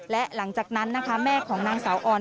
และหลังจากนั้นนะคะแม่ของนางสาวออน